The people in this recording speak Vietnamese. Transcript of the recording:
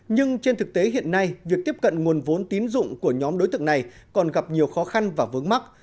nhưng trên thực tế hiện nay việc tiếp cận nguồn vốn tín dụng của nhóm đối tượng này còn gặp nhiều khó khăn và vướng mắt